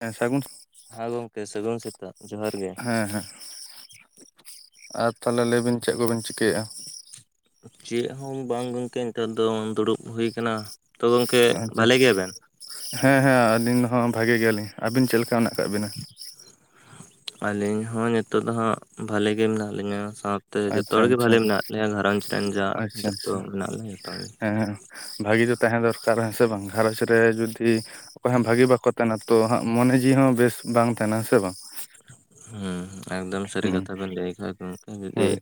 ᱦᱮᱸ ᱥᱟᱹᱜᱩᱱ ᱦᱮᱸ ᱜᱚᱢᱠᱮ ᱥᱟᱹᱜᱩᱱ ᱥᱮᱛᱟᱜ ᱡᱚᱦᱟᱨ ᱜᱮ ᱦᱮᱸ ᱦᱮᱸ ᱟᱨ ᱛᱟᱦᱚᱞᱮ ᱞᱟᱹᱭ ᱵᱤᱱ ᱪᱮᱫ ᱠᱚᱵᱤᱱ ᱪᱤᱠᱟᱹᱭᱮᱫ-ᱟ ᱪᱮᱫ ᱦᱚᱸ ᱵᱟᱝ ᱜᱚᱝᱠᱮ ᱱᱮᱛᱟᱨ ᱫᱚ ᱫᱩᱲᱩᱵ ᱦᱩᱭ ᱟᱠᱟᱱᱟ ᱛᱚ ᱜᱚᱝᱠᱮ ᱟᱪᱪᱷᱟ ᱵᱷᱟᱞᱮ ᱜᱮᱭᱟ ᱵᱮᱱ ᱦᱮᱸ ᱦᱮᱸ ᱟᱹᱞᱤᱧ ᱦᱚᱸ ᱵᱷᱟᱜᱤ ᱜᱮᱭᱟᱞᱤᱧ ᱟᱹᱵᱤᱱ ᱪᱮᱫ ᱞᱮᱠᱟ ᱢᱮᱱᱟᱜ ᱟᱠᱟᱜ ᱵᱤᱱᱟ ᱟᱹᱞᱤᱧ ᱦᱚᱸ ᱱᱤᱛᱚᱜ ᱫᱚ ᱦᱟᱸᱜ ᱵᱷᱟᱞᱮ ᱜᱮ ᱢᱮᱱᱟᱜ ᱞᱤᱧᱟ ᱥᱟᱶᱛᱮ ᱡᱚᱛᱚ ᱟᱪᱪᱷᱟ ᱦᱚᱲ ᱜᱮ ᱟᱪᱪᱷᱟ ᱵᱷᱟᱞᱮ ᱢᱮᱱᱟᱜ ᱞᱮᱭᱟ ᱜᱷᱟᱨᱚᱸᱡᱽ ᱨᱮᱱ ᱡᱟ ᱟᱪᱪᱷᱟ ᱡᱚᱛᱚ ᱟᱪᱪᱷᱟ ᱢᱮᱱᱟᱜ ᱞᱮᱭᱟ ᱡᱚᱛᱚ ᱦᱮᱸ ᱦᱮᱸ ᱵᱷᱟᱹᱜᱤ ᱫᱚ ᱛᱟᱦᱮᱸ ᱫᱚᱨᱠᱟᱨ ᱟ ᱦᱮᱸ ᱥᱮ ᱵᱟᱝ ᱜᱷᱟᱨᱚᱸᱧᱡᱽ ᱨᱮ ᱡᱩᱫᱤ ᱚᱠᱚᱭ ᱦᱚᱸ ᱵᱷᱟᱜᱤ ᱵᱟᱠᱚ ᱛᱟᱦᱮᱱᱟ ᱛᱚ ᱢᱚᱱᱮ ᱡᱤᱣᱤ ᱦᱚᱸ ᱵᱮᱥ ᱵᱟᱝ ᱛᱟᱦᱮᱱᱟ ᱥᱮ ᱵᱟᱝ ᱦᱮᱸ ᱮᱠᱫᱚᱢ ᱥᱟᱹᱨᱤ ᱦᱩᱸ ᱠᱟᱛᱷᱟ ᱵᱮᱱ ᱞᱟᱹᱭ ᱟᱠᱟᱫ ᱟ ᱜᱚᱝᱠᱮ ᱡᱩᱫᱤ ᱦᱳᱭ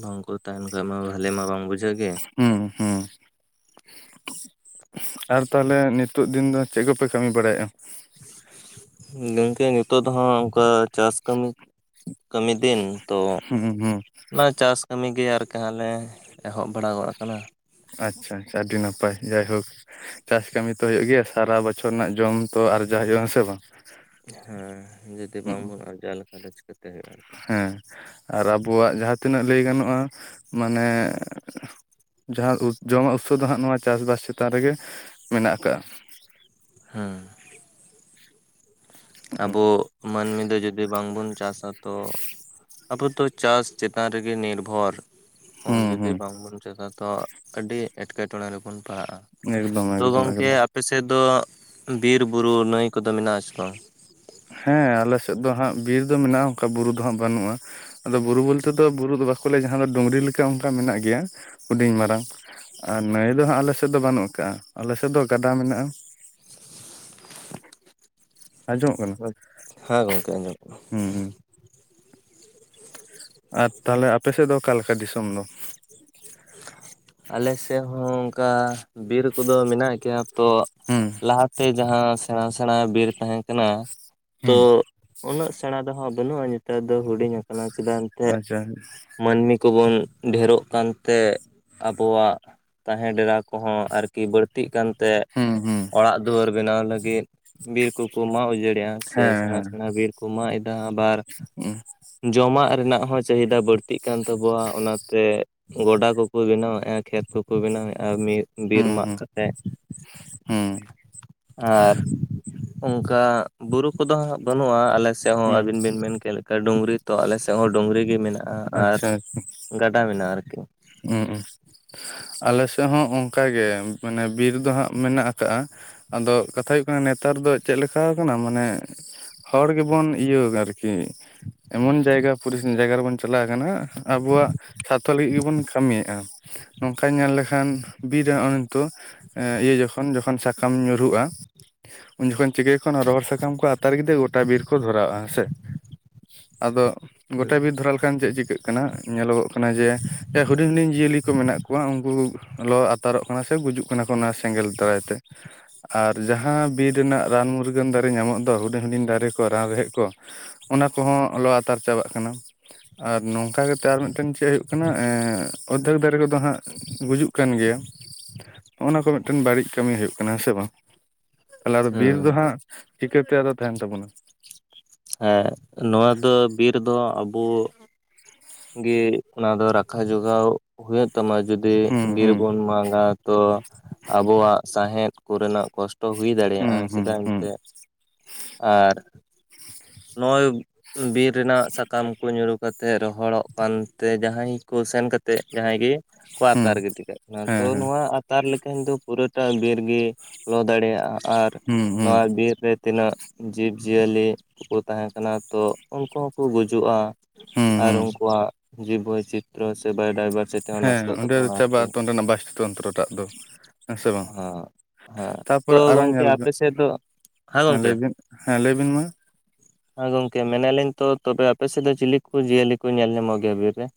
ᱵᱟᱝᱠᱚ ᱛᱟᱦᱮᱱ ᱠᱷᱟᱡ ᱢᱟ ᱵᱷᱟᱞᱮ ᱢᱟ ᱵᱟᱝ ᱵᱩᱡᱷᱟᱹᱜ ᱜᱮ ᱦᱩᱸ ᱦᱩᱸ ᱟᱨ ᱛᱟᱦᱚᱞᱮ ᱱᱤᱛ ᱱᱤᱛᱜ ᱫᱤᱱ ᱫᱚ ᱪᱮᱫ ᱠᱚᱯᱮ ᱠᱟᱹᱢᱤ ᱵᱟᱲᱟᱭᱮᱫᱼᱟ᱾ ᱜᱚᱢᱠᱮ ᱱᱤᱛᱚᱜ ᱫᱚ ᱦᱟᱸᱜ ᱚᱱᱠᱟ ᱪᱟᱥ ᱠᱟᱹᱢᱤ ᱠᱟᱹᱢᱤ ᱫᱤᱱ᱾ ᱛᱚ ᱦᱩᱸ ᱦᱩᱸ ᱚᱱᱟ ᱪᱟᱥ ᱠᱟᱹᱢᱤ ᱜᱮ ᱟᱨᱠᱤ ᱦᱟᱸᱜ ᱞᱮ ᱮᱦᱚᱵ ᱵᱟᱲᱟ ᱜᱚᱫ ᱟᱠᱟᱱᱟ᱾ ᱟᱪᱪᱷᱟ ᱟᱪᱪᱷᱟ ᱟᱹᱰᱤ ᱱᱟᱯᱟᱭ ᱡᱟᱭᱦᱳᱠ᱾ ᱪᱟᱥ ᱠᱟᱹᱢᱤ ᱛᱚ ᱦᱩᱭᱩᱜ ᱜᱮᱭᱟ ᱥᱟᱨᱟ ᱵᱚᱪᱷᱚᱨ ᱨᱮᱱᱟᱜ ᱡᱚᱢ ᱛᱚ ᱟᱨᱡᱟᱣ ᱦᱩᱭᱩᱜᱼᱟ ᱥᱮ ᱵᱟᱝ᱾ ᱦᱮᱸ ᱡᱩᱫᱤ ᱦᱩᱸ ᱵᱟᱝᱵᱚᱱ ᱟᱨᱡᱟᱣ ᱞᱮᱠᱷᱟᱱ ᱫᱚ ᱪᱤᱠᱟᱹᱛᱮ ᱦᱩᱭᱩᱜᱼᱟ ᱟᱨᱠᱤ ᱦᱮᱸ ᱟᱨ ᱟᱵᱚᱣᱟᱜ ᱡᱟᱦᱟᱸ ᱛᱤᱱᱟᱹᱜ ᱞᱟᱹᱭ ᱜᱟᱱᱚᱜᱼᱟ ᱢᱟᱱᱮ ᱡᱟᱦᱟᱸ ᱡᱚᱢᱟᱜ ᱩᱛᱥᱚ ᱫᱚ ᱦᱟᱸᱜ ᱱᱚᱣᱟ ᱪᱟᱥᱵᱟᱥ ᱪᱮᱛᱟᱱ ᱨᱮᱜᱮ ᱢᱮᱱᱟᱜ ᱟᱠᱟᱜ ᱟ᱾ ᱦᱮᱸ [unintelligible] ᱟᱵᱚ ᱢᱟᱹᱱᱢᱤ ᱫᱚ ᱡᱚᱫᱤ ᱵᱟᱝᱵᱩᱱ ᱪᱟᱥᱟ ᱛᱚ ᱟᱵᱚ ᱫᱚ ᱪᱟᱥ ᱪᱮᱛᱟᱱ ᱨᱮᱜᱮ ᱱᱤᱨᱵᱷᱚᱨ᱾ ᱦᱚᱸ ᱦᱩᱸ ᱡᱩᱫᱤ ᱦᱩᱸ ᱵᱟᱝ ᱵᱚᱱ ᱪᱟᱥᱟ ᱛᱚ ᱟᱹᱰᱤ ᱮᱴᱠᱮᱴᱚᱬᱮ ᱨᱮᱵᱚᱱ ᱯᱟᱲᱦᱟᱜᱼᱟ᱾ ᱮᱠᱫᱚᱢ ᱛᱚ ᱮᱠᱫᱚᱢ ᱚᱢᱠᱮ ᱮᱠᱫᱚᱢ ᱟᱯᱮ ᱥᱮᱫ ᱫᱚ ᱵᱤᱨ ᱵᱩᱨᱩ ᱱᱟᱹᱭ ᱠᱚᱫᱚ ᱢᱮᱱᱟᱜ ᱟ ᱥᱮ ᱵᱟᱝ? ᱦᱮᱸ ᱟᱞᱮᱥᱮᱫ ᱫᱚ ᱦᱟᱸᱜ ᱵᱤᱨ ᱫᱚ ᱢᱮᱱᱟᱜᱼᱟ, ᱚᱱᱠᱟ ᱵᱩᱨᱩ ᱫᱚ ᱦᱟᱸᱜ ᱵᱟᱹᱱᱩᱜᱼᱟ᱾ ᱟᱫᱚ ᱵᱩᱨᱩ ᱵᱚᱞᱛᱮ ᱫᱚ ᱵᱩᱨᱩ ᱫᱚ ᱵᱟᱠᱚ ᱞᱟᱹᱭᱟ ᱡᱟᱦᱟᱸ ᱫᱚ ᱰᱩᱝᱨᱤ ᱞᱮᱠᱟ ᱚᱱᱠᱟ ᱢᱮᱱᱟᱜ ᱜᱮᱭᱟ ᱦᱩᱰᱤᱧ ᱢᱟᱨᱟᱝ᱾ ᱟᱨ ᱱᱟᱹᱭ ᱫᱚ ᱦᱟᱸᱜ ᱟᱞᱮ ᱥᱮᱫ ᱫᱚ ᱵᱟᱹᱱᱩᱜ ᱟᱠᱟᱟᱜᱼᱟ ᱟᱞᱮ ᱥᱮᱫ ᱫᱚ ᱜᱟᱰᱟ ᱢᱮᱱᱟᱜᱼᱟ᱾ ᱟᱸᱡᱚᱢᱚᱜ ᱠᱟᱱᱟ᱾ ᱦᱮᱸ ᱜᱚᱝᱠᱮ ᱟᱸᱡᱚᱢᱚᱜ ᱠᱟᱱᱟ ᱦᱩᱸ ᱦᱩᱸ ᱟᱨ ᱛᱟᱦᱚᱞᱮ ᱟᱯᱮ ᱥᱮᱫ ᱫᱚ ᱚᱠᱟᱞᱮᱠᱟ ᱫᱤᱥᱚᱢ ᱫᱚ? ᱟᱞᱮ ᱥᱮᱫ ᱦᱚᱸ ᱚᱱᱠᱟ ᱵᱤᱨ ᱠᱚᱫᱚ ᱢᱮᱱᱟᱜ ᱜᱮᱭᱟ ᱛᱚ ᱦᱩᱸ ᱞᱟᱦᱟᱛᱮ ᱡᱟᱦᱟᱸ ᱥᱮᱬᱟ ᱥᱮᱬᱟ ᱵᱤᱨ ᱛᱟᱦᱮᱸ ᱠᱟᱱᱟ ᱛᱚ ᱦᱩᱸ ᱩᱱᱟᱹᱜ ᱥᱮᱬᱟ ᱫᱚ ᱦᱟᱸᱜ ᱵᱟᱹᱱᱩᱜᱼᱟ ᱱᱮᱛᱟᱨ ᱫᱚ ᱦᱩᱰᱤᱧ ᱟᱠᱟᱱᱟ ᱪᱮᱫᱟᱜ ᱮᱱᱛᱮᱫ ᱟᱪᱪᱷᱟ ᱢᱟᱹᱱᱢᱤ ᱠᱚᱵᱚᱱ ᱰᱷᱮᱨᱚᱜ ᱠᱟᱱ ᱛᱮ ᱟᱵᱚᱣᱟᱜ ᱛᱟᱦᱮᱸ ᱰᱮᱨᱟ ᱠᱚᱦᱚᱸ ᱟᱨᱠᱤ ᱵᱟᱹᱲᱛᱤᱜ ᱠᱟᱱᱛᱮ ᱦᱩᱸ ᱦᱩᱸ ᱚᱲᱟᱜ ᱫᱩᱣᱟᱹᱨ ᱵᱮᱱᱟᱣ ᱞᱟᱹᱜᱤᱫ ᱵᱤᱨ ᱠᱚᱠᱚ ᱢᱟᱜ ᱩᱡᱟᱹᱲᱮᱜᱼᱟ᱾ ᱥᱮ ᱦᱮᱸ ᱥᱮᱬᱟ ᱥᱮᱬᱟ ᱵᱤᱨ ᱠᱚ ᱢᱟᱜ ᱮᱫᱟ, ᱟᱵᱟᱨ ᱦᱮᱸ ᱡᱚᱢᱟᱜ ᱨᱮᱱᱟᱜ ᱦᱚᱸ ᱪᱟᱹᱦᱤᱫᱟ ᱵᱟᱹᱲᱛᱤ ᱛᱤᱜ ᱠᱟᱱ ᱛᱟᱵᱚᱣᱟ ᱚᱱᱟᱛᱮ ᱜᱚᱰᱟ ᱠᱚᱠᱚ ᱵᱮᱱᱟᱣᱮᱫᱼᱟ ᱠᱷᱮᱛ ᱠᱚᱠᱚ ᱵᱮᱱᱟᱣᱮᱫᱼᱟ ᱢᱤᱫ ᱵᱤᱨ ᱦᱩᱸ ᱢᱟᱜ ᱦᱩᱸ ᱠᱟᱛᱮᱫ ᱦᱩᱸ ᱟᱨ ᱚᱱᱠᱟ ᱵᱩᱨᱩ ᱠᱚᱫᱚ ᱦᱟᱸᱜ ᱵᱟᱹᱱᱩᱜᱼᱟ ᱟᱞᱮ ᱥᱮᱫ ᱦᱚᱸ ᱦᱩᱸ ᱟᱹᱵᱤᱱ ᱵᱤᱱ ᱢᱮᱱ ᱠᱮᱫ ᱞᱮᱠᱟ᱾ ᱠᱟ ᱰᱩᱝᱨᱤ ᱛᱚ ᱟᱞᱮ ᱥᱮᱫ ᱦᱚᱸ ᱰᱩᱝᱨᱤ ᱜᱮ ᱢᱮᱱᱟᱜ ᱟᱪᱪᱷᱟ ᱟᱪᱪᱷᱟ ᱟᱨᱠᱤ ᱩᱸ ᱩᱸ ᱟᱞᱮ ᱥᱮᱫ ᱦᱚᱸ ᱚᱱᱠᱟᱜᱮ ᱢᱟᱱᱮ ᱵᱤᱨ ᱫᱚ ᱦᱟᱸᱜ ᱢᱮᱱᱟᱜ ᱟᱠᱟᱜᱼᱟ᱾ ᱟᱫᱚ ᱠᱟᱛᱷᱟ ᱦᱩᱭᱩᱜ ᱠᱟᱱᱟ ᱱᱮᱛᱟᱨ ᱫᱚ ᱪᱮᱫ ᱞᱮᱠᱟ ᱟᱠᱟᱱᱟ ᱢᱟᱱᱮ ᱦᱚᱲ ᱜᱮᱵᱚᱱ ᱤᱭᱟᱹ ᱟᱨᱠᱤ ᱮᱢᱚᱱ ᱡᱟᱭᱜᱟ ᱯᱚᱨᱤᱥᱤᱛ ᱡᱟᱭᱜᱟ ᱨᱮᱵᱚᱱ ᱪᱟᱞᱟᱣ ᱟᱠᱟᱱᱟ ᱟᱵᱚᱣᱟᱜ ᱥᱟᱨᱛᱷᱚ ᱞᱟᱹᱜᱤᱫ ᱜᱮᱵᱚᱱ ᱠᱟᱹᱢᱤᱭᱮᱫᱼᱟ ᱱᱚᱝᱠᱟ ᱧᱮᱞ ᱞᱮᱠᱷᱟᱱ ᱵᱤᱨ ᱨᱮ ᱱᱤᱛᱚᱜ ᱤᱭᱟᱹ ᱡᱚᱠᱷᱚᱱ ᱡᱚᱠᱷᱚᱱ ᱥᱟᱠᱟᱢ ᱧᱩᱨᱩᱜᱼᱟ ᱩᱱ ᱡᱚᱠᱷᱚᱱ ᱪᱤᱠᱟᱹᱭᱟᱠᱚ ᱨᱚᱦᱚᱲ ᱥᱟᱠᱟᱢ ᱠᱚ ᱟ [unintelligible] ᱜᱚᱴᱟ ᱵᱤᱨ ᱠᱚ ᱫᱷᱚᱨᱟᱣᱼᱟ ᱦᱮᱸᱥᱮ ᱟᱫᱚ ᱜᱚᱴᱟ ᱵᱤᱨ ᱫᱷᱚᱨᱟᱣ ᱠᱟᱱ ᱪᱮᱫ ᱪᱤᱠᱟᱹᱜ ᱠᱟᱱᱟ ᱧᱮᱞᱚᱜᱚᱜ ᱠᱟᱱᱟ ᱡᱮ ᱦᱩᱰᱤᱧ ᱦᱩᱰᱤᱧ ᱡᱤᱭᱟᱹᱞᱤ ᱠᱚ ᱢᱮᱱᱟᱜ ᱠᱚᱣᱟ ᱩᱱᱠᱩ ᱞᱚ ᱟᱛᱟᱨᱚᱜ ᱠᱟᱱᱟ ᱥᱮ ᱜᱩᱡᱩᱜ ᱠᱟᱱᱟ ᱠᱚ ᱚᱱᱟ ᱥᱮᱸᱜᱮᱞ ᱫᱟᱨᱟᱭ ᱛᱮ᱾ ᱟᱨ ᱡᱟᱦᱟᱸ ᱵᱤᱨ ᱨᱮᱱᱟᱜ ᱨᱟᱱ ᱢᱩᱨᱜᱟᱹᱱ ᱫᱟᱨᱮ ᱧᱟᱢᱚᱜ ᱫᱚ ᱦᱩᱰᱤᱧ ᱦᱩᱰᱤᱧ ᱫᱟᱨᱮ ᱠᱚ ᱨᱟᱱ ᱨᱮᱦᱮᱫ ᱠᱚ ᱚᱱᱟ ᱠᱚᱦᱚᱸ ᱞᱚ ᱟᱛᱟᱨ ᱪᱟᱵᱟᱜ ᱠᱟᱱᱟ᱾ ᱟᱨ ᱱᱚᱝᱠᱟ ᱠᱟᱛᱮᱜ ᱟᱨ ᱢᱤᱫᱴᱮᱱ ᱪᱮᱫ ᱦᱩᱭᱩᱜ ᱠᱟᱱᱟ ᱚᱫᱷᱭᱮᱠ ᱫᱟᱨᱮ ᱠᱚᱫᱚ ᱦᱟᱸᱜ ᱜᱩᱡᱩᱜ ᱠᱟᱱ ᱜᱮᱭᱟ, ᱱᱚᱜᱼ ᱱᱟ ᱠᱚ ᱢᱤᱫᱴᱮᱱ ᱵᱟᱹᱲᱤᱡ ᱠᱟᱹᱢᱤ ᱦᱩᱭᱩᱜ ᱠᱟᱱᱟ ᱦᱮᱸ ᱥᱮ ᱵᱟᱝ᱾ ᱛᱟᱦᱚᱞᱮ ᱟᱫᱚ ᱵᱤᱨ ᱦᱩᱸ ᱫᱚ ᱦᱟᱸᱜ ᱪᱤᱠᱟᱹᱛᱮ ᱟᱫᱚ ᱛᱟᱸᱦᱮᱱ ᱛᱟᱵᱚᱱᱟ᱾ ᱦᱮᱸ ᱱᱚᱣᱟ ᱫᱚ ᱵᱤᱨ ᱫᱚ ᱟᱵᱚ ᱜᱮ ᱚᱱᱟ ᱫᱚ ᱨᱟᱠᱷᱟ ᱡᱚᱜᱟᱣ ᱦᱩᱭᱩᱜ ᱛᱟᱢᱟ ᱡᱩᱫᱤ ᱦᱩᱸ ᱵᱤᱨ ᱦᱩᱸ ᱵᱚᱱ ᱢᱟᱜᱟ ᱛᱚ ᱟᱵᱚᱣᱟᱜ ᱥᱟᱦᱮᱫ ᱠᱚᱨᱮᱱᱟᱜ ᱠᱚᱥᱴᱚ ᱛᱚ ᱦᱩᱭ ᱫᱟᱲᱮᱭᱟᱜᱼᱟ ᱦᱩᱸ ᱦᱩᱸ ᱪᱮᱫᱟᱜ ᱦᱩᱸ ᱮᱱᱛᱮᱫ ᱟᱨ ᱱᱚᱜᱼᱚᱭ ᱵᱤᱨ ᱨᱮᱱᱟᱜ ᱥᱟᱠᱟᱢ ᱠᱚ ᱧᱩᱨᱩ ᱠᱟᱛᱮ ᱛᱮ ᱨᱚᱦᱚᱲᱚᱜ ᱠᱟᱱᱛᱮ ᱡᱟᱦᱟᱸᱭ ᱠᱚ ᱥᱮᱱ ᱠᱟᱛᱮ ᱡᱟᱦᱟᱸᱭ ᱜᱮ ᱠᱚ ᱦᱩᱸ ᱟᱛᱟᱨ ᱜᱤᱫ ᱠᱟᱜ ᱠᱟᱱᱟ ᱦᱮᱸ ᱛᱚ ᱦᱮᱸ ᱱᱚᱣᱟ ᱛᱟᱨ ᱞᱮᱠᱷᱟᱱ ᱫᱚ ᱯᱩᱨᱟᱹᱴᱟ ᱵᱤᱨ ᱜᱮ ᱞᱚ ᱫᱟᱲᱮᱭᱟᱜᱼᱟ ᱟᱨ ᱦᱩᱸ ᱦᱩᱸ ᱱᱚᱣᱟ ᱵᱤᱨ ᱨᱮ ᱛᱤᱱᱟᱹᱜ ᱡᱤᱵᱽ-ᱡᱤᱭᱟᱹᱞᱤ ᱠᱚ ᱛᱟᱦᱮᱸ ᱠᱟᱱᱟ ᱛᱚ ᱩᱱᱠᱩ ᱦᱚᱸᱠᱚ ᱜᱩᱡᱩᱜᱼᱟ ᱾ ᱦᱩᱸ ᱟᱨ ᱦᱩᱸ ᱩᱱᱠᱩᱣᱟᱜ ᱡᱤᱵᱽ ᱵᱳᱭᱪᱤᱛᱨᱚ ᱥᱮ ᱵᱟᱰᱟᱭ ᱵᱟᱨᱥᱮᱜ ᱦᱮᱸ ᱚᱸᱰᱮ ᱪᱟᱵᱟᱜ-ᱟ ᱛᱚ ᱚᱸᱰᱮᱱᱟᱜ ᱵᱟᱥᱛᱩ ᱛᱚᱱᱛᱨᱚ ᱴᱟᱜ ᱫᱚ ᱦᱮᱸ ᱥᱮ ᱵᱟᱝ ᱦᱮᱸ ᱛᱚ ᱛᱟᱯᱚᱨᱮ ᱟᱨᱚ ᱜᱚᱝᱠᱮ ᱧᱮᱞ ᱵᱤᱱ ᱟᱯᱮ ᱥᱮᱫ ᱫᱚ ᱦᱮᱸ ᱞᱟᱹᱭ ᱵᱤᱱ ᱦᱮᱸ ᱞᱟᱹᱭ ᱵᱤᱱ ᱢᱟ ᱦᱮᱸ ᱜᱚᱝᱠᱮ ᱢᱮᱱᱟᱞᱤᱧ ᱛᱚ ᱛᱚᱵᱮ ᱟᱯᱮ ᱥᱮᱫ ᱫᱚ ᱪᱤᱞᱤ ᱠᱚ ᱡᱤᱭᱟᱹᱞᱤ ᱠᱚ ᱧᱮᱞ ᱧᱟᱢᱚᱜ ᱜᱮᱭᱟ ᱵᱤᱨ ᱨᱮ ᱾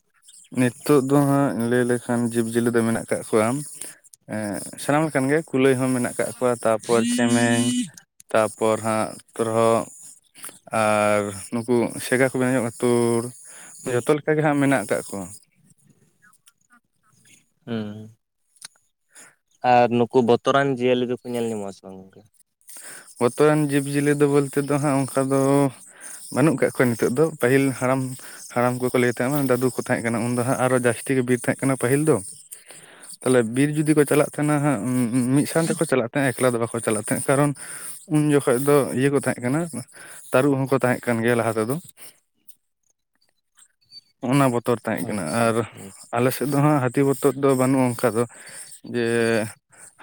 ᱱᱤᱛᱳᱜ ᱫᱚ ᱦᱟᱸᱜ ᱞᱟᱹᱭ ᱞᱮᱠᱷᱟᱱ ᱡᱤᱵᱽᱼᱡᱤᱭᱟᱹᱞᱤ ᱫᱚ ᱢᱮᱱᱟᱜ ᱠᱟᱜ ᱠᱚᱣᱟ ᱥᱟᱱᱟᱢ ᱞᱮᱠᱟᱱ ᱜᱮ ᱠᱩᱞᱟᱹᱭ ᱦᱚᱸ ᱢᱮᱱᱟᱜ ᱠᱟᱜ ᱠᱚᱣᱟ ᱛᱟᱨᱯᱚᱨ ᱪᱮᱢᱮᱧ ᱛᱟᱨᱯᱚᱨ ᱯᱚᱨ ᱦᱟᱜ ᱯᱨᱚ ᱟᱨ ᱱᱩᱠᱩ ᱥᱮᱜᱟ ᱠᱚ ᱵᱮᱱ ᱧᱚᱜᱼᱟᱛᱳᱲ ᱡᱷᱚᱛᱚ ᱞᱮᱠᱟ ᱜᱮ ᱦᱟᱸᱜ ᱢᱮᱱᱟᱜ ᱠᱟᱜ ᱠᱚ ᱦᱮᱸ ᱟᱨ ᱱᱩᱠᱩ ᱵᱚᱛᱚᱨᱟᱱ ᱡᱤᱭᱟᱹᱞᱤ ᱫᱚᱠᱚ ᱧᱮᱞ ᱧᱟᱢᱚᱜ ᱟᱥᱮ ᱵᱟᱝ ᱜᱚᱝᱠᱮ ᱵᱚᱛᱚᱨᱟᱱ ᱡᱤᱵᱽ-ᱡᱤᱭᱟᱹᱞᱤ ᱫᱚ ᱵᱚᱞᱛᱮ ᱫᱚ ᱦᱟᱸᱜ ᱚᱱᱠᱟ ᱫᱚ ᱵᱟᱹᱱᱩᱜ ᱠᱟᱜ ᱠᱚᱣᱟ ᱱᱤᱛᱚᱜ ᱫᱚ ᱯᱟᱹᱦᱤᱞ ᱦᱟᱲᱟᱢ ᱦᱟᱲᱟᱢ ᱠᱚᱠᱚ ᱞᱟᱹᱭ ᱛᱟᱦᱮᱸᱫᱱᱟ ᱫᱟᱹᱫᱩ ᱠᱚ ᱛᱟᱦᱮᱸ ᱠᱟᱱᱟ ᱩᱱ ᱫᱚ ᱦᱟᱸᱜ ᱟᱨᱚ ᱡᱟᱹᱥᱛᱤ ᱜᱮ ᱵᱤᱨ ᱛᱟᱦᱮᱸ ᱠᱟᱱᱟ ᱯᱟᱹᱦᱤᱞ ᱫᱚ ᱾ ᱛᱟᱞᱦᱮ ᱵᱤᱨ ᱡᱩᱫᱤ ᱠᱚ ᱪᱟᱞᱟᱜ ᱛᱟᱦᱮᱱᱟ ᱢᱤᱫ ᱥᱟᱶ ᱛᱮᱠᱚ ᱪᱟᱞᱟᱜ ᱛᱟᱦᱮᱸᱱᱟ ᱮᱠᱞᱟ ᱫᱚ ᱵᱟᱠᱚ ᱪᱟᱞᱟᱜ ᱛᱟᱦᱮᱸᱜ ᱠᱟᱨᱚᱱ ᱩᱱ ᱡᱚᱠᱷᱚᱱ ᱫᱚ ᱤᱭᱟᱹ ᱠᱚ ᱛᱟᱦᱮᱸ ᱠᱟᱱᱟ ᱛᱟᱹᱨᱩᱵ ᱦᱚᱸᱠᱚ ᱛᱟᱦᱮᱸ ᱠᱟᱱ ᱜᱮᱭᱟ ᱞᱟᱦᱟ ᱛᱮᱫᱚ ᱾ ᱚᱱᱟ ᱵᱚᱛᱚᱨ ᱛᱟᱦᱮᱸ ᱠᱟᱱᱟ ᱟᱪᱪᱷᱟ ᱟᱨ ᱟᱞᱮ ᱥᱮᱫ ᱫᱚ ᱦᱟᱸᱜ ᱦᱟᱹᱛᱤ ᱵᱚᱛᱚᱨ ᱫᱚ ᱵᱟᱹᱱᱩᱜᱼᱟ ᱚᱱᱠᱟ ᱫᱚ ᱡᱮ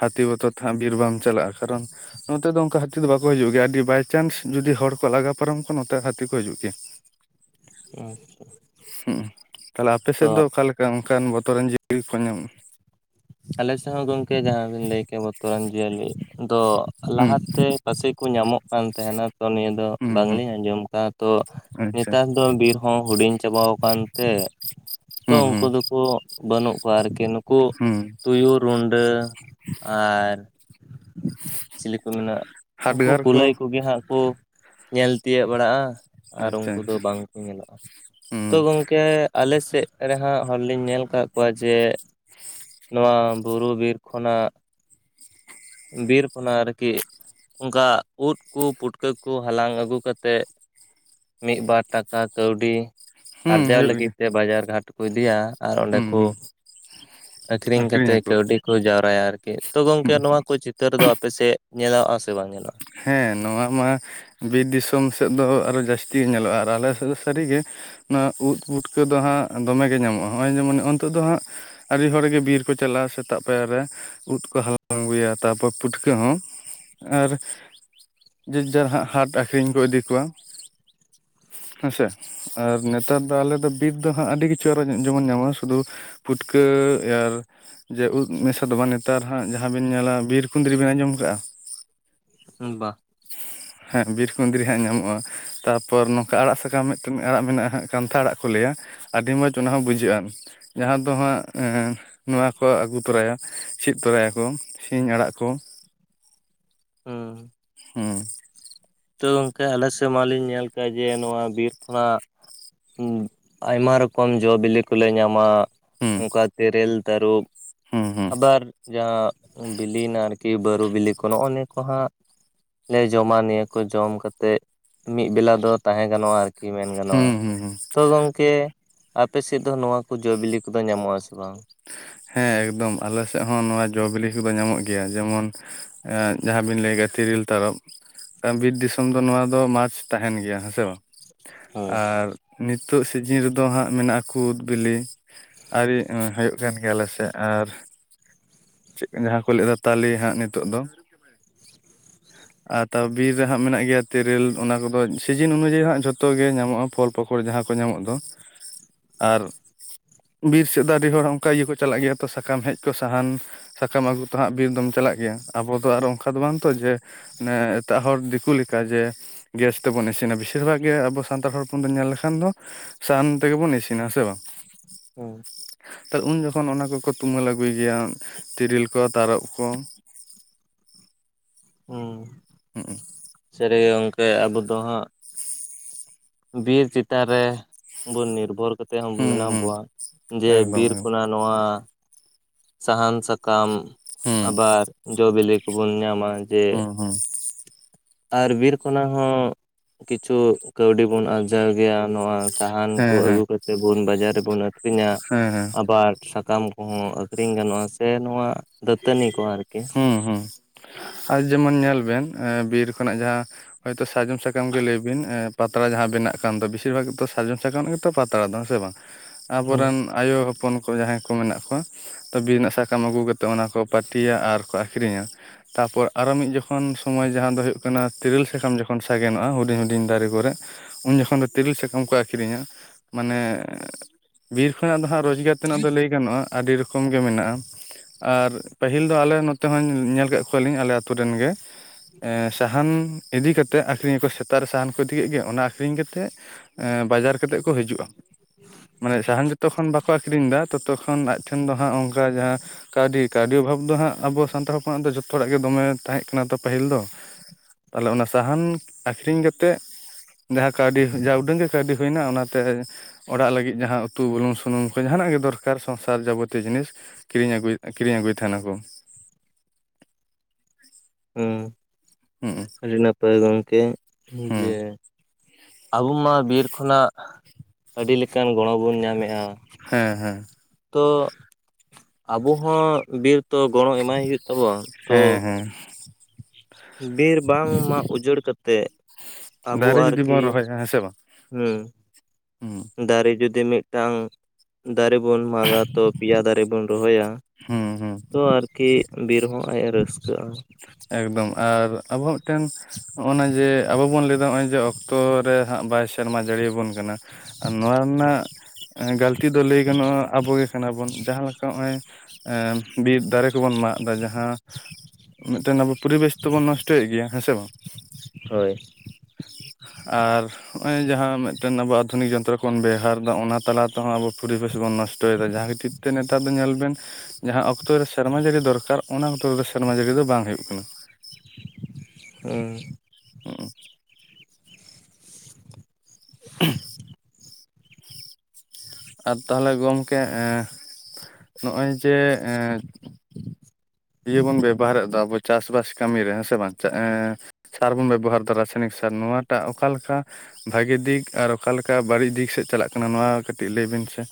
ᱦᱟᱹᱛᱤ ᱵᱚᱛᱚᱨ ᱛᱮ ᱦᱟᱸᱜ ᱵᱤᱨ ᱵᱟᱢ ᱪᱟᱞᱟᱜᱼᱟ ᱠᱟᱨᱚᱱ ᱱᱚᱛᱮ ᱫᱚ ᱚᱱᱠᱟ ᱦᱟᱹᱛᱤ ᱫᱚ ᱵᱟᱠᱚ ᱦᱤᱡᱩᱜ ᱜᱮᱭᱟ ᱟᱹᱰᱤ ᱵᱟᱭ ᱪᱟᱱᱥ ᱡᱩᱫᱤ ᱦᱚᱲ ᱠᱚ ᱞᱟᱜᱟ ᱯᱟᱨᱚᱢ ᱠᱚ ᱱᱚᱛᱮ ᱦᱟᱹᱛᱤ ᱠᱚ ᱦᱤᱡᱩᱜ ᱜᱮᱭᱟ ᱾ [unintelligible] ᱦᱩᱸ ᱛᱟᱦᱞᱮ ᱟᱯᱮ ᱛᱚ ᱥᱮᱫ ᱫᱚ ᱚᱠᱟ ᱞᱮᱠᱟ ᱚᱱᱠᱟᱱ ᱵᱚᱛᱚᱨᱟᱱ ᱡᱤᱣᱤ ᱠᱚ ᱧᱟᱢᱚᱜᱼᱟ ᱟᱞᱮ ᱥᱮᱫ ᱦᱚᱸ ᱜᱚᱝᱠᱮ ᱡᱟᱦᱟᱸ ᱵᱤᱱ ᱞᱟᱹᱭ ᱠᱮᱭᱟ ᱵᱚᱛᱚᱨᱟᱱ ᱡᱤᱭᱟᱹᱞᱤ ᱫᱚ ᱦᱩᱸ ᱞᱟᱦᱟᱛᱮ ᱯᱟᱥᱮ ᱠᱚ ᱧᱟᱢᱚᱜ ᱠᱟᱱ ᱛᱟᱦᱮᱱᱟ ᱛᱚ ᱱᱤᱭᱟᱹ ᱫᱚ ᱦᱩᱸ ᱦᱩᱸ ᱵᱟᱝᱞᱤᱧ ᱟᱸᱡᱚᱢ ᱟᱠᱟᱫᱟᱼᱟ ᱛᱚ ᱟᱪᱪᱷᱟ ᱱᱮᱛᱟᱨ ᱫᱚ ᱵᱤᱨ ᱦᱚᱸ ᱦᱩᱰᱤᱧ ᱪᱟᱵᱟ ᱟᱠᱟᱱ ᱛᱮ ᱛᱚ ᱦᱩᱸ ᱦᱩᱸ ᱩᱱᱠᱩ ᱫᱚ ᱛᱚ ᱵᱟᱹᱱᱩᱜ ᱠᱚᱣᱟ ᱟᱨᱠᱤ ᱱᱩᱠᱩ ᱦᱩᱸ ᱛᱩᱭᱩ ᱨᱩᱰᱟᱹ ᱟᱨ ᱪᱤᱞᱤ ᱠᱚ ᱢᱮᱱᱟᱜᱼᱟ ᱩᱱᱠᱩ ᱦᱟᱰᱜᱟᱨ ᱠᱚ ᱠᱩᱞᱟᱹᱭ ᱠᱚᱜᱮ ᱦᱟᱸᱜ ᱠᱩ ᱧᱮᱞ ᱛᱤᱭᱳᱜ ᱵᱟᱲᱟᱜᱼᱟ ᱾ ᱟᱨ ᱟᱪᱪᱷᱟ ᱩᱱᱠᱩ ᱫᱚ ᱟᱪᱪᱷᱟ ᱵᱟᱝᱠᱚ ᱧᱮᱞᱚᱜᱼᱟ ᱦᱩᱸ ᱛᱚ ᱜᱚᱝᱠᱮ ᱜᱚᱢᱠᱮ ᱟᱞᱮᱥᱮᱫ ᱨᱮᱦᱟᱸ ᱦᱚᱲᱞᱤᱧ ᱧᱮᱞ ᱟᱠᱟᱫ ᱠᱚᱣᱟ ᱡᱮ ᱱᱚᱣᱟ ᱵᱩᱨᱩ ᱵᱤᱨ ᱠᱷᱚᱱᱟᱜ ᱵᱤᱨ ᱠᱷᱚᱱᱟᱜ ᱟᱨᱠᱤ ᱚᱱᱠᱟ ᱩᱫ ᱠᱚ ᱯᱩᱴᱠᱟᱹ ᱠᱚ ᱦᱟᱞᱟᱝ ᱟᱹᱜᱩ ᱠᱟᱛᱮᱫ ᱢᱤᱫ ᱵᱟᱨ ᱴᱟᱠᱟ ᱠᱟᱹᱣᱰᱤ ᱦᱩᱸ ᱟᱨᱡᱟᱣ ᱦᱩᱭᱩᱜ ᱞᱟᱹᱜᱤᱫ ᱜᱮᱭᱟ ᱛᱮ ᱵᱟᱡᱟᱨ ᱜᱷᱟᱴ ᱠᱚ ᱤᱫᱤᱭᱟ ᱟᱨ ᱚᱸᱰᱮ ᱦᱩᱸ ᱠᱚ ᱦᱩᱸ ᱟᱹᱠᱷᱨᱤᱧ ᱠᱟᱛᱮᱫ ᱟᱠᱷᱨᱤᱧᱟᱠᱚ ᱠᱟᱹᱣᱰᱤ ᱠᱚ ᱡᱟᱣᱨᱟᱭᱟ ᱟᱨᱠᱤ ᱛᱚ ᱜᱚᱝᱠᱮ ᱦᱩᱸ᱾ ᱱᱚᱣᱟ ᱠᱚ ᱪᱤᱛᱟᱹᱨ ᱨᱮᱫᱚ ᱟᱯᱮ ᱥᱮᱫ ᱧᱮᱞᱚᱜ-ᱟ ᱥᱮ ᱵᱟᱝ ᱧᱮᱞᱚᱜ-ᱟ ᱾ ᱦᱮᱸ ᱱᱚᱣᱟ ᱢᱟ ᱵᱤᱨ ᱫᱤᱥᱚᱢ ᱥᱮᱫ ᱫᱚ ᱟᱨᱚ ᱡᱟᱹᱥᱛᱤ ᱜᱮ ᱧᱮᱞᱚᱜᱼᱟ ᱟᱨ ᱟᱞᱮ ᱥᱮᱫ ᱫᱚ ᱥᱟᱹᱨᱤ ᱜᱮ ᱚᱱᱟ ᱩᱫ ᱵᱩᱴᱠᱟᱹ ᱫᱚ ᱦᱟᱸᱜ ᱫᱚᱢᱮ ᱜᱮ ᱧᱟᱢᱚᱜ-ᱟ ᱱᱚᱜ-ᱚᱭ ᱡᱮᱢᱚᱱ ᱱᱤᱛᱚᱜ ᱫᱚ ᱦᱟᱸᱜ ᱟᱹᱰᱤ ᱦᱚᱲᱜᱮ ᱵᱤᱨ ᱠᱚ ᱪᱟᱞᱟᱜ-ᱟ ᱥᱮᱛᱟᱜ ᱯᱟᱭᱟᱨᱮ ᱾ ᱩᱫ ᱠᱚ ᱦᱟᱞᱟᱝ ᱟᱹᱜᱩᱭᱟ ᱛᱟᱯᱚᱨ ᱯᱩᱴᱠᱟᱹ ᱦᱚᱸ ᱟᱨ ᱡᱮ ᱡᱟᱨ ᱦᱟᱜ ᱦᱟᱴ ᱟᱠᱷᱨᱤᱧ ᱠᱚ ᱤᱫᱤ ᱠᱚᱣᱟ ᱦᱮᱸ ᱥᱮ ᱟᱨ ᱱᱮᱛᱟᱨ ᱫᱚ ᱟᱞᱮ ᱫᱚ ᱵᱤᱨ ᱫᱚ ᱦᱟᱸᱜ ᱟᱹᱰᱤ ᱠᱤᱪᱷᱩ ᱟᱨᱚ ᱡᱮᱢᱚᱱ ᱧᱟᱢᱚᱜᱼᱟ ᱥᱩᱫᱷᱩ ᱯᱷᱩᱴᱠᱟᱹ ᱮᱼᱟᱨ ᱡᱮ ᱩᱫ ᱢᱮᱥᱟ ᱫᱚ ᱵᱟᱝ ᱱᱮᱛᱟᱨ ᱦᱟᱸᱜ ᱡᱟᱦᱟᱸ ᱵᱤᱱ ᱧᱮᱞᱟ ᱵᱤᱨ ᱠᱩᱸᱫᱽᱨᱤ ᱵᱤᱱ ᱟᱸᱡᱚᱢ ᱠᱟᱜᱼᱟ ᱵᱟᱸ ᱦᱮᱸ ᱵᱤᱨ ᱠᱩᱸᱫᱽᱨᱤ ᱦᱮᱸᱜ ᱧᱟᱢᱚᱜᱼᱟ ᱛᱟᱨᱯᱚᱨ ᱱᱚᱝᱠᱟ ᱟᱲᱟᱜ ᱥᱟᱠᱟᱢ ᱢᱤᱫᱴᱮᱱ ᱟᱲᱟᱜ ᱢᱮᱱᱟᱜᱼᱟ ᱦᱟᱜ ᱠᱟᱱᱛᱷᱟ ᱟᱲᱟᱜ ᱠᱚ ᱞᱟᱹᱭᱟ ᱟᱹᱰᱤ ᱢᱚᱸᱡᱽ ᱚᱱᱟ ᱦᱚᱸ ᱵᱩᱡᱷᱟᱹᱜᱼᱟ ᱡᱟᱦᱟᱸ ᱫᱚ ᱦᱟᱸᱜ ᱮᱸ ᱱᱚᱣᱟ ᱠᱚ ᱟᱹᱜᱩ ᱛᱚᱨᱟᱭᱟ ᱥᱤᱫ ᱛᱚᱨᱟᱭᱟᱠᱚ ᱥᱤᱧ ᱟᱲᱟᱜ ᱠᱚ, ᱦᱩᱸ ᱦᱮᱸ ᱛᱚ ᱜᱚᱢᱠᱮ ᱟᱞᱮ ᱥᱮᱫ ᱢᱟᱞᱤᱧ ᱧᱮᱞ ᱠᱟᱜᱼᱟ ᱡᱮ ᱱᱚᱣᱟ ᱵᱤᱨ ᱠᱷᱚᱱᱟᱜ ᱦᱩᱸ ᱟᱭᱢᱟ ᱨᱚᱠᱚᱢ ᱡᱚ ᱵᱤᱞᱤ ᱠᱚᱞᱮ ᱧᱟᱢᱟ ᱦᱩᱸ ᱚᱱᱠᱟ ᱛᱮᱨᱮᱞ ᱛᱟᱹᱨᱚᱵ ᱦᱩᱸ ᱦᱩᱸ ᱟᱵᱟᱨ ᱡᱟᱦᱟᱸ ᱵᱤᱞᱤ ᱦᱮᱱᱟᱜ-ᱟ ᱟᱨᱠᱤ ᱵᱟᱹᱨᱩ ᱵᱤᱞᱤ ᱠᱚ ᱱᱚᱜᱼᱚ ᱱᱤᱭᱟᱹ ᱠᱚ ᱦᱟᱸᱜ ᱞᱮ ᱡᱚᱢᱟ ᱱᱤᱭᱟᱹ ᱠᱚ ᱡᱚᱢᱱᱠᱟᱛᱮᱫ ᱢᱤᱫ ᱵᱮᱞᱟ ᱫᱚ ᱛᱟᱦᱮᱸ ᱜᱟᱱᱚᱜᱼᱟ ᱟᱨ ᱠᱤ ᱢᱮᱱ ᱜᱟᱱᱚᱜᱼᱟ, ᱦᱩᱸ ᱦᱩᱸ ᱦᱩᱸ ᱛᱚ ᱜᱚᱝᱠᱮ ᱟᱯᱮ ᱥᱮᱫ ᱫᱚ ᱱᱚᱣᱟ ᱠᱚ ᱡᱚᱼᱵᱤᱞᱤ ᱠᱚ ᱫᱚ ᱧᱟᱢᱚᱜ-ᱟ ᱥᱮ ᱵᱟᱝ ᱦᱮᱸ ᱮᱠᱫᱚᱢ ᱟᱞᱮ ᱥᱮᱫ ᱦᱚᱸ ᱱᱚᱣᱟ ᱡᱚ ᱵᱤᱞᱤ ᱠᱚ ᱫᱚ ᱧᱟᱢᱚᱜ ᱜᱮᱭᱟ ᱡᱮᱢᱚᱱ ᱮᱸ ᱡᱟᱦᱟᱸ ᱵᱤᱱ ᱞᱟᱹᱭ ᱠᱮᱫᱟ ᱛᱤᱨᱤᱞ ᱛᱟᱨᱚᱵ ᱵᱤᱨ ᱫᱤᱥᱚᱢ ᱫᱚ ᱱᱚᱣᱟ ᱫᱚ ᱢᱟᱡᱽ ᱛᱟᱦᱮᱱ ᱜᱮᱭᱟ ᱦᱮᱸ ᱥᱮ ᱵᱟᱝ ᱦᱳᱭ ᱟᱨ ᱱᱤᱛᱚᱜ ᱥᱤᱡᱤᱱ ᱨᱮ ᱫᱚ ᱦᱟᱸᱜ ᱢᱮᱱᱟᱜᱼᱟ ᱠᱩᱫ ᱵᱤᱞᱤ ᱟᱹᱨᱤ ᱦᱩᱭᱩᱜ ᱠᱟᱱ ᱜᱮ ᱜᱮᱭᱟᱞᱮ ᱥᱮᱫ ᱟᱨ ᱪᱮᱫ ᱡᱟᱦᱟᱸ ᱠᱚ ᱞᱟᱹᱭ ᱮᱫᱼᱟ ᱛᱟᱞᱮ ᱦᱟᱸᱜ ᱱᱤᱛᱚᱜ ᱫᱚ [unintelligible] ᱟᱨ ᱛᱟᱣ ᱵᱤᱨ ᱨᱮ ᱦᱟᱸᱜ ᱢᱮᱱᱟᱜ ᱜᱮᱭᱟ ᱛᱮᱨᱮᱞ ᱚᱱᱟ ᱠᱚ ᱫᱚ ᱥᱤᱡᱤᱱ ᱚᱱᱩᱡᱟᱭᱤ ᱦᱟᱸᱜ ᱡᱷᱚᱛᱚ ᱜᱮ ᱧᱟᱢᱚᱜᱼᱟ ᱯᱷᱚᱞ ᱯᱟᱠᱚᱲ ᱡᱟᱦᱟᱸ ᱠᱚ ᱧᱟᱢᱚᱜ ᱫᱚ ᱟᱨ ᱵᱤᱨ ᱥᱮᱫ ᱫᱚ ᱟᱰᱤ ᱦᱚᱲ ᱚᱱᱠᱟ ᱤᱭᱟᱹ ᱠᱚ ᱪᱟᱞᱟᱜ ᱜᱮᱭᱟ ᱛᱚ ᱥᱟᱠᱟᱢ ᱦᱮᱡ ᱠᱚ, ᱥᱟᱦᱟᱱ ᱥᱟᱠᱟᱢ ᱟᱹᱜᱩ ᱛᱚ ᱦᱟᱸᱜ ᱵᱤᱨ ᱫᱚᱢ ᱪᱟᱞᱟᱜ ᱜᱮᱭᱟ, ᱟᱵᱚ ᱫᱚ ᱟᱨ ᱚᱱᱠᱟ ᱫᱚ ᱵᱟᱝ ᱛᱚ ᱡᱮ ᱚᱱᱮ ᱮᱴᱟᱜ ᱦᱚᱲ ᱫᱤᱠᱩ ᱞᱮᱠᱟ ᱡᱮ ᱜᱮᱥ ᱛᱮᱵᱚᱱ ᱤᱥᱤᱱᱟ ᱵᱮᱥᱤᱨ ᱵᱷᱟᱜᱽ ᱜᱮ ᱟᱵᱚ ᱥᱟᱱᱛᱟᱲ ᱦᱚᱯᱚᱱ ᱫᱚ ᱧᱮᱞ ᱞᱮᱠᱷᱟᱱ ᱫᱚ ᱥᱟᱦᱟᱱ ᱛᱮ ᱜᱮ ᱵᱚᱱ ᱤᱥᱤᱱᱟ ᱦᱮ ᱥᱮ ᱵᱟᱝ ᱦᱩᱸ ᱛᱳ ᱩᱱ ᱡᱚᱠᱷᱚᱱ ᱚᱱᱟ ᱠᱚ ᱠᱚ ᱛᱩᱢᱟᱹᱞ ᱟᱹᱜᱩᱭ ᱜᱮᱭᱟ ᱛᱤᱨᱤᱞ ᱠᱚ ᱛᱟᱨᱚᱵ ᱠᱚ ᱦᱩᱸ ᱦᱩᱸ ᱩ ᱥᱟᱹᱨᱤ ᱜᱮ ᱜᱚᱢᱠᱮ ᱟᱵᱚ ᱫᱚ ᱦᱟᱸᱜ ᱵᱤᱨ ᱪᱮᱛᱟᱱ ᱨᱮ ᱵᱚᱱ ᱱᱤᱨᱵᱷᱚᱨ ᱠᱟᱛᱮᱫ ᱦᱚᱸ ᱵᱚᱱ ᱦᱩᱸ ᱢᱮᱱᱟᱜ ᱦᱩᱸ ᱵᱚᱣᱟ ᱡᱮ ᱮᱠᱫᱚᱢ ᱵᱤᱨ ᱮᱠᱫᱚᱢ ᱠᱷᱚᱱᱟᱜ ᱱᱚᱣᱟ ᱥᱟᱦᱟᱱ ᱥᱟᱠᱟᱢ ᱦᱩᱸ ᱟᱵᱟᱨ ᱡᱚ ᱵᱤᱞᱤ ᱠᱚ ᱵᱩᱱ ᱧᱟᱢᱟ ᱡᱮ ᱦᱩᱸ ᱦᱩᱸ ᱟᱨ ᱵᱤᱨ ᱠᱷᱚᱱᱟᱜ ᱦᱚᱸ ᱠᱤᱪᱷᱩ ᱠᱟᱹᱣᱰᱤ ᱵᱩᱱ ᱟᱨᱡᱟᱣ ᱜᱮᱭᱟ ᱱᱚᱣᱟ ᱥᱟᱦᱟᱱ ᱦᱮᱸ ᱠᱚ ᱦᱮᱸ ᱟᱹᱜᱩ ᱠᱟᱛᱮᱫ ᱵᱚᱱ ᱵᱟᱡᱟᱨ ᱨᱮᱵᱚᱱ ᱟᱹᱠᱷᱨᱤᱧᱟ ᱦᱮᱸ ᱦᱮᱸ ᱟᱵᱟᱨ ᱥᱟᱠᱟᱢ ᱠᱚᱦᱚᱸ ᱟᱹᱠᱷᱨᱤᱧ ᱜᱟᱱᱚᱜᱼᱟ ᱥᱮ, ᱱᱚᱣᱟ ᱫᱟᱹᱛᱟᱹᱱᱤ ᱠᱚ ᱟᱨᱠᱤ ᱦᱮᱸ ᱦᱩᱸᱻ ᱟᱨ ᱡᱮᱢᱚᱱ ᱧᱮᱞ ᱵᱮᱱ ᱵᱤᱨ ᱠᱷᱚᱱᱟᱜ ᱡᱟᱦᱟᱸ ᱦᱳᱭᱛᱳ ᱥᱟᱨᱡᱚᱢ ᱥᱟᱠᱟᱢ ᱜᱮ ᱞᱟᱹᱭ ᱵᱤᱱ ᱮᱻ ᱯᱟᱛᱲᱟ ᱡᱟᱦᱟᱸ ᱵᱮᱱᱟᱜ ᱠᱟᱱ ᱫᱚ ᱵᱮᱥᱤᱨ ᱵᱷᱟᱜᱽ ᱜᱮᱛᱚ ᱥᱟᱨᱡᱚᱢ ᱥᱟᱠᱟᱢ ᱜᱮᱛᱚ ᱯᱟᱛᱲᱟ ᱫᱚ ᱦᱮᱸ ᱥᱮ ᱵᱟᱝ ᱦᱩᱸ ᱟᱵᱳᱨᱮᱱ ᱟᱭᱳ ᱦᱚᱯᱚᱱ ᱠᱚ ᱡᱟᱦᱟᱸᱭ ᱠᱚ ᱢᱮᱱᱟᱜ ᱠᱚᱣᱟ ᱛᱚ ᱵᱤᱨ ᱨᱮᱱᱟᱜ ᱥᱟᱠᱟᱢ ᱟᱹᱜᱩ ᱠᱟᱛᱮᱫ ᱚᱱᱟ ᱠᱚ ᱯᱟᱹᱴᱤᱭᱟ ᱟᱨ ᱠᱚ ᱟᱠᱷᱨᱤᱧᱼᱟ ᱛᱟᱨᱯᱚᱨ ᱟᱨᱚ ᱢᱤᱫ ᱡᱚᱠᱷᱚᱱ ᱥᱚᱢᱚᱭ ᱡᱟᱦᱟᱸ ᱫᱚ ᱦᱩᱭᱩᱜᱼᱟᱜ ᱠᱟᱱᱟ ᱛᱤᱨᱤᱞ ᱥᱟᱠᱟᱢ ᱡᱚᱠᱷᱚᱱ ᱥᱟᱜᱮᱱᱚᱜᱼᱟ ᱦᱩᱰᱤᱧ ᱦᱩᱰᱤᱧ ᱫᱟᱨᱮ ᱠᱚᱨᱮᱜ ᱩᱱ ᱡᱚᱠᱷᱚᱱ ᱫᱚ ᱛᱤᱨᱤᱞ ᱥᱟᱠᱟᱢ ᱠᱚ ᱟᱠᱷᱨᱤᱧᱟ ᱢᱟᱱᱮ ᱵᱤᱨ ᱠᱷᱚᱱᱟᱜ ᱫᱚ ᱦᱟᱸᱜ ᱨᱳᱡ ᱽᱜᱟᱨ ᱛᱮᱱᱟᱜ ᱫᱚ ᱞᱟᱹᱭ ᱜᱟᱱᱚᱜᱼᱟ ᱟᱹᱰᱤ ᱨᱚᱠᱚᱢ ᱜᱮ ᱢᱮᱱᱟᱜᱼᱟ ᱟᱨ ᱯᱟᱹᱦᱤᱞ ᱫᱚ ᱟᱞᱮ ᱱᱚ ᱛᱮᱦᱚᱧ ᱧᱮᱞ ᱠᱮᱫ ᱠᱚᱣᱟᱞᱤᱧ ᱟᱞᱮ ᱟᱛᱩ ᱨᱮᱱ ᱜᱮ ᱥᱟᱦᱟᱱ ᱤᱫᱤ ᱠᱟᱛᱮᱜ ᱟᱠᱷᱨᱤᱧᱟᱠᱚ ᱥᱮᱛᱟ ᱨᱮ ᱥᱟᱦᱟᱱ ᱠᱚ ᱤᱫᱤ ᱜᱮ ᱚᱱᱟ ᱟᱠᱷᱨᱤᱧ ᱠᱟᱛᱮᱜ ᱮᱸ ᱵᱟᱡᱟᱨ ᱠᱟᱛᱮᱜ ᱠᱚ ᱦᱤᱡᱩᱜᱼᱟ᱾ ᱢᱟᱱᱮ ᱥᱟᱦᱟᱱ ᱡᱚᱛᱚ ᱠᱷᱚᱱ ᱵᱟᱠᱚᱼᱼ ᱟᱹᱠᱷᱨᱤᱧ ᱫᱟ ᱛᱚᱛᱚᱠᱷᱚᱱ ᱟᱡᱴᱷᱮᱱ ᱫᱚ ᱦᱟᱸᱜ ᱚᱱᱠᱟ ᱡᱟᱦᱟᱸ ᱠᱟᱹᱣᱰᱤ, ᱠᱟᱹᱣᱰᱤ ᱚᱵᱷᱟᱵᱽ ᱫᱚ ᱦᱟᱸᱜ ᱟᱵᱚ ᱥᱟᱱᱛᱟᱲ ᱦᱚᱯᱚᱱᱟᱜ ᱫᱚ ᱡᱚᱛᱚ ᱦᱚᱲᱟᱜ ᱜᱮ ᱫᱚᱢᱮ ᱛᱟᱦᱮᱸᱜ ᱠᱟᱱᱟ ᱛᱚ ᱯᱟᱹᱦᱤᱞ ᱫᱚ᱾ ᱛᱟᱦᱚᱞᱮ ᱚᱱᱟ ᱥᱟᱦᱟᱱ ᱟᱠᱷᱨᱤᱧ ᱠᱟᱛᱮᱜ ᱡᱟᱦᱟᱸ ᱠᱟᱹᱣᱰᱤ ᱡᱟ ᱩᱰᱟᱹᱝ ᱜᱮ ᱠᱟᱹᱣᱰᱤ ᱦᱩᱭᱱᱟ ᱚᱱᱟᱛᱮ ᱚᱲᱟᱜ ᱞᱟᱹᱜᱤᱫ ᱡᱟᱦᱟᱸ ᱩᱛᱩ ᱵᱩᱞᱩᱝ ᱥᱩᱱᱩᱢ ᱠᱚ ᱡᱟᱦᱟᱱᱟᱜ ᱜᱮ ᱫᱚᱨᱠᱟᱨ ᱥᱚᱝᱥᱟᱨ ᱡᱟᱵᱚᱛᱤ ᱡᱤᱱᱤᱥ, ᱠᱤᱨᱤᱧ ᱟᱹᱜᱩᱭ ᱠᱤᱨᱤᱧ ᱟᱹᱜᱩᱭᱮᱫ ᱛᱟᱦᱮᱱᱟᱠᱚ᱾ ᱦᱩᱸ᱾ [unintelligible] ᱟᱹᱰᱤ ᱱᱟᱯᱟᱭ ᱜᱚᱢᱠᱮ, ᱦᱩᱸ ᱡᱮ ᱟᱵᱚ ᱢᱟ ᱵᱤᱨ ᱠᱷᱚᱱᱟᱜ ᱟᱹᱰᱤ ᱞᱮᱠᱟᱱ ᱜᱚᱲᱚ ᱵᱚᱱ ᱧᱟᱢᱮᱫᱼᱟ᱾ ᱦᱮᱸ ᱦᱮᱸ᱾ ᱛᱚ ᱟᱵᱚ ᱦᱚᱸ ᱵᱤᱨ ᱛᱚ ᱜᱚᱲᱚᱸ ᱮᱢᱟᱭ ᱦᱩᱭᱩᱜ ᱛᱟᱵᱚᱣᱟ᱾ ᱛᱚ ᱦᱮᱸ ᱦᱮᱸ ᱵᱤᱨ ᱵᱟᱝ ᱢᱟᱜ ᱩᱡᱟᱹᱲ ᱠᱟᱛᱮᱜ, ᱟᱵᱚ ᱫᱟᱨᱮ ᱡᱩᱫᱤ ᱟᱨᱠᱤ ᱵᱚᱱ ᱨᱚᱦᱚᱭᱟ ᱦᱮᱸ ᱥᱮ ᱵᱟᱝ? ᱦᱩᱸ ᱦᱩᱸ, ᱫᱟᱨᱮ ᱡᱩᱫᱤ ᱢᱤᱫᱴᱟᱝ ᱫᱟᱨᱮ ᱵᱚᱱ ᱢᱟᱜᱟ, ᱛᱚ ᱯᱮᱭᱟ ᱫᱟᱨᱮ ᱵᱚᱱ ᱨᱚᱦᱚᱭᱟ᱾ ᱦᱩᱸ ᱦᱩᱸ ᱛᱚᱸ ᱟᱨᱠᱤ ᱵᱤᱨ ᱦᱚᱸ ᱟᱡ ᱮ ᱨᱟᱹᱥᱠᱟᱹᱜᱼᱟ᱾ ᱮᱠᱫᱚᱢ ᱟᱨ ᱟᱵᱚ ᱢᱤᱫᱴᱮᱱ ᱦᱚᱜᱼᱱᱟ ᱡᱮ, ᱟᱵᱚ ᱵᱚᱱ ᱞᱟᱹᱭᱫᱟ ᱦᱚᱸᱜᱼᱚᱭ ᱡᱮ ᱚᱠᱛᱚ ᱨᱮ ᱦᱟᱸᱜ ᱵᱟᱭ ᱥᱮᱨᱢᱟ ᱡᱟᱹᱲ ᱟᱵᱚᱱ ᱠᱟᱱᱟ᱾ ᱟᱨ ᱱᱚᱣᱟ ᱨᱮᱱᱟᱜ ᱜᱟᱹᱞᱛᱤ ᱫᱚ ᱞᱟᱹᱭ ᱜᱟᱱᱚᱜᱼᱟ ᱟᱵᱚᱜ ᱜᱮ ᱠᱟᱱᱟ ᱵᱚᱱ ᱡᱟᱦᱟᱸ ᱞᱮᱠᱟ ᱦᱸᱚᱜᱼᱚᱭ, ᱮᱸᱫ ᱵᱤᱨ ᱫᱟᱨᱮ ᱠᱚᱵᱚᱱ ᱢᱟᱜ ᱫᱟ ᱡᱟᱦᱟᱸ, ᱢᱤᱫᱴᱮᱱ ᱟᱵᱚ ᱯᱚᱨᱤᱵᱮᱥ ᱫᱚᱵᱚᱱ ᱱᱚᱥᱴᱚᱭᱮᱫ ᱜᱮᱭᱟ᱾ ᱦᱮᱸ ᱥᱮ ᱵᱟᱝ? ᱦᱳᱭ᱾ ᱟᱨ, ᱦᱚᱸᱜᱼᱚᱭ ᱡᱟᱦᱟᱸ ᱢᱤᱫᱴᱮᱱ ᱟᱵᱚ ᱟᱫᱷᱩᱱᱤᱠ ᱡᱚᱱᱛᱨᱚ ᱵᱚᱱ ᱵᱮᱣᱦᱟᱨ ᱮᱫᱟ ᱚᱱᱟ ᱛᱟᱞᱟ ᱛᱮᱦᱚᱸ ᱟᱵᱚ ᱯᱚᱨᱤᱵᱮᱥ ᱵᱚᱱ ᱱᱚᱥᱴᱚᱭᱮᱫᱟ ᱡᱟᱦᱟᱸ ᱜᱮ ᱠᱷᱟᱛᱤᱨ ᱛᱮ ᱱᱮᱛᱟᱨ ᱫᱚ ᱧᱮᱞ ᱵᱮᱱ ᱡᱟᱦᱟᱸ ᱚᱠᱛᱚ ᱨᱮ ᱥᱮᱨᱢᱟ ᱡᱟᱹᱲᱤ ᱫᱚᱨᱠᱟᱨ ᱚᱱᱟ ᱚᱠᱛᱚ ᱨᱮᱫᱚ ᱥᱮᱨᱢᱟ ᱡᱟᱹᱲᱤ ᱫᱚ ᱵᱟᱝ ᱦᱩᱭᱩᱜ ᱠᱟᱱᱟ᱾ ᱦᱩᱸ, [inaudible] ᱟᱨ ᱛᱟᱦᱚᱞᱮ ᱜᱚᱢᱠᱮ ᱮᱸ ᱱᱚᱜᱼᱚᱭ ᱡᱮ ᱮᱸᱫ ᱤᱭᱟᱹ ᱵᱚᱱ ᱵᱮᱵᱚᱦᱟᱨᱮᱫ ᱫᱚ ᱟᱵᱚ ᱪᱟᱥᱼᱵᱟᱥ ᱠᱟᱹᱢᱤᱨᱮ ᱦᱮᱸ ᱥᱮ ᱵᱟᱝ? ᱥᱟᱨ ᱵᱚᱱ ᱵᱮᱵᱚᱦᱟᱨ ᱫᱟ ᱨᱟᱥᱟᱭᱱᱤᱠ ᱥᱟᱨ ᱱᱚᱣᱟᱴᱟᱜ ᱚᱠᱟ ᱞᱮᱠᱟ? ᱵᱷᱟᱜᱤ ᱫᱤᱠ ᱟᱨ ᱚᱠᱟᱞᱮᱠᱟ ᱵᱟᱹᱲᱤᱡ ᱫᱤᱠ ᱥᱮᱫ ᱪᱟᱞᱟᱜ ᱠᱟᱱᱟ? ᱱᱚᱶᱟ ᱠᱟᱹᱴᱤᱡ ᱞᱟᱹᱭ ᱵᱤᱱ ᱥᱮ᱾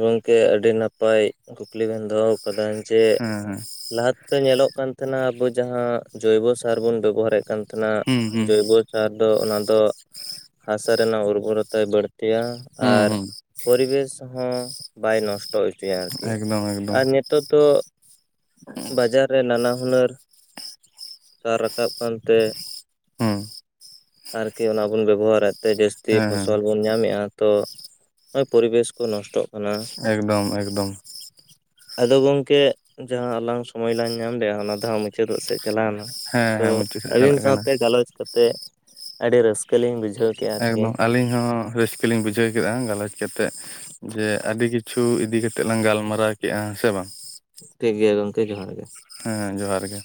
ᱜᱚᱢᱠᱮ ᱟᱹᱰᱤ ᱱᱟᱯᱟᱭ ᱠᱩᱠᱞᱤ ᱵᱮᱱ ᱫᱚᱦᱚᱣ ᱠᱟᱫᱟ ᱡᱮ ᱦᱮᱸ ᱦᱮᱸ ᱞᱟᱦᱟᱛᱮ ᱫᱚ ᱧᱮᱞᱚᱜ ᱠᱟᱱ ᱛᱟᱦᱮᱱᱟ ᱟᱵᱚ ᱡᱟᱦᱟᱸ ᱡᱚᱭᱵᱚ ᱥᱟᱨ ᱵᱚᱱ ᱵᱮᱵᱚᱦᱟᱨᱮᱫ ᱠᱟᱱ ᱛᱟᱦᱮᱱᱟ ᱦᱩᱸ ᱦᱩᱸ ᱡᱚᱭᱵᱚ ᱥᱟᱨ ᱫᱚ ᱚᱱᱟ ᱫᱚ ᱦᱟᱥᱟ ᱨᱮᱱᱟᱜ ᱩᱨᱵᱚᱨᱚᱛᱟᱭ ᱵᱟᱹᱲᱼᱼ ᱛᱤᱭᱟ ᱦᱩᱸ ᱟᱨ ᱦᱩᱸ ᱯᱚᱨᱤᱵᱮᱥ ᱦᱚᱸ ᱵᱟᱭ ᱱᱚᱥᱴᱼᱼ [unintelligible] ᱚᱪᱚᱭᱟ ᱟᱨᱠᱤ᱾ ᱮᱠᱫᱚᱢ ᱮᱠᱫᱚᱢ ᱟᱨ ᱱᱤᱛᱳᱜ ᱛᱚ ᱵᱟᱡᱟᱨ ᱨᱮ ᱱᱟᱱᱟ ᱦᱩᱱᱟᱹᱨ ᱥᱟᱨ ᱨᱟᱠᱟᱵ ᱠᱟᱱᱛᱮ, ᱦᱚᱸ, ᱟᱨᱠᱤ ᱚᱱᱟ ᱵᱚᱱ ᱵᱮᱵᱚᱦᱟᱨᱮᱫ ᱛᱮ ᱡᱟᱹᱥᱛᱤ ᱦᱮᱸ ᱦᱮᱸ ᱯᱷᱚᱥᱚᱞ ᱵᱚᱱ ᱧᱟᱢᱮᱫᱼᱟ᱾ ᱛᱚ ᱱᱚᱜᱼᱚᱭ ᱯᱚᱨᱤᱵᱮᱥ ᱠᱚ ᱱᱚᱥᱴᱚᱜ ᱠᱟᱱᱟ ᱮᱜᱽᱫᱚᱢ ᱮᱜᱽᱫᱚᱢ᱾ ᱟᱫᱚ ᱜᱚᱝᱠᱮ ᱡᱟᱦᱟᱸ ᱟᱞᱟᱝ ᱥᱚᱢᱚᱭ ᱞᱟᱝ ᱧᱟᱢ ᱞᱮᱼᱟ ᱚᱱᱟ ᱫᱚᱦᱟᱸᱜ ᱢᱩᱪᱟᱹᱫᱚᱜ ᱥᱮᱡ ᱪᱟᱞᱟᱣᱱᱟ ᱦᱮᱸ ᱛᱚ ᱦᱮᱸ ᱢᱩᱪᱟᱹᱫ ᱥᱮᱫ ᱟᱹᱵᱤᱱ ᱪᱟᱞᱟᱜ ᱠᱟᱱᱟ ᱥᱟᱶᱛᱮ ᱜᱟᱞᱚᱪ ᱠᱟᱛᱮᱜ ᱟᱹᱰᱤ ᱨᱟᱹᱥᱠᱟᱹ ᱞᱤᱧ ᱵᱩᱡᱼᱼ ᱮᱜᱽᱫᱚᱢ ᱟᱹᱞᱤᱧ ᱦᱚᱸ ᱨᱟᱹᱥᱠᱟᱹ ᱞᱤᱧ ᱵᱩᱡᱷᱟᱹᱣ ᱠᱮᱫᱟ ᱜᱟᱞᱚᱪ ᱠᱟᱛᱮᱫ ᱡᱮ ᱟᱹᱰᱤ ᱠᱤᱪᱷᱩ ᱤᱫᱤ ᱠᱟᱛᱮᱜ ᱞᱟᱝ ᱜᱟᱞᱢᱟᱨᱟᱣ ᱠᱮᱜᱼᱟ ᱥᱮ ᱵᱟᱝ? ᱴᱷᱤᱠ ᱜᱮᱭᱟ ᱜᱚᱢᱠᱮ ᱡᱚᱦᱟᱨ ᱜᱮ᱾ ᱦᱮᱸ ᱡᱚᱦᱟᱨ ᱜᱮ